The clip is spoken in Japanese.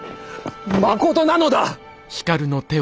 まことなのだ！